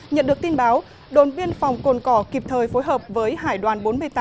nhận được tin báo đồn biên phòng cồn cỏ kịp thời phối hợp với hải đoàn bốn mươi tám